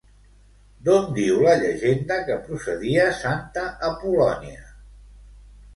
D'on diu la llegenda que procedia santa Apol·lònia?